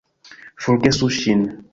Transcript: Forgesu ŝin!